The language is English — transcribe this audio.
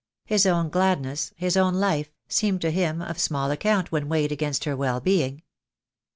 His own gladness, his own life, seemed to him of small account when weighed against her well being.